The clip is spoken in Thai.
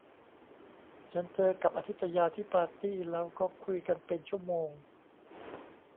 ฉันเจอกับอทิตยาที่ปาร์ตี้แล้วก็คุยกันเป็นชั่วโมง